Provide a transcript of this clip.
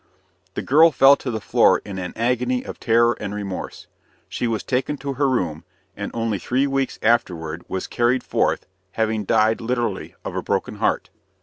The girl fell to the floor in an agony of terror and remorse. She was taken to her room, and only three weeks afterward was carried forth, having died literally of a broken heart.